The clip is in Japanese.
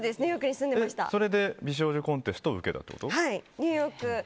それで美少女コンテストを受けたってこと？